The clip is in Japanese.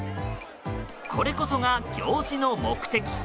これこそが行事の目的。